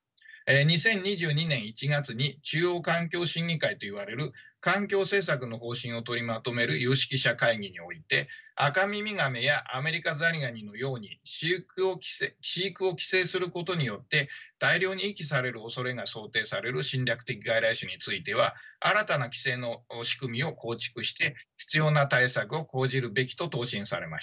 ２０２２年１月に中央環境審議会といわれる環境政策の方針を取りまとめる有識者会議においてアカミミガメやアメリカザリガニのように飼育を規制することによって大量に遺棄されるおそれが想定される侵略的外来種については新たな規制の仕組みを構築して必要な対策を講じるべきと答申されました。